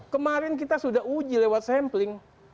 kemarin kita sudah uji lewat sampling